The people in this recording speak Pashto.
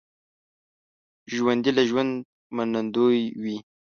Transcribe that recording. ژوندي له ژونده منندوی وي